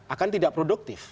akan tidak produktif